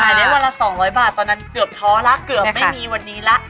ได้วันละ๒๐๐บาทตอนนั้นเกือบท้อแล้วเกือบไม่มีวันนี้ละ